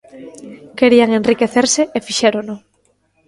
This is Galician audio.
Querían enriquecerse e fixérono.